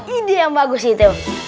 ide yang bagus itu